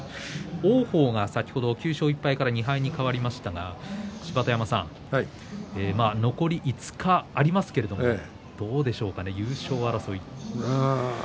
王鵬が先ほど９勝１敗から２敗に変わりましたが残り５日ありますけれどもどうでしょうかね、優勝争い。